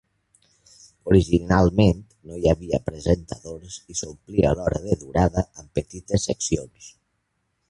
Originalment no hi havia presentadors i s'omplia l'hora de durada amb petites seccions.